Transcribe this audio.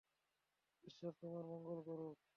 ঈশ্বর তোমার মঙ্গল করুক।